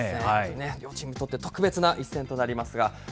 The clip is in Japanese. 両チームにとって特別な一戦となりますが。